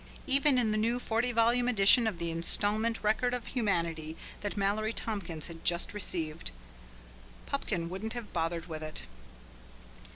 Even in the new forty volume edition of the "Instalment Record of Humanity" that Mallory Tompkins had just received Pupkin wouldn't have bothered with it.